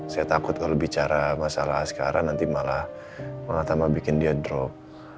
saya takut kalau bicara masalah sekarang nanti malah tambah bikin dia drop